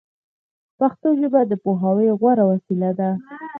پښتو ژبه د پوهاوي غوره وسیله ده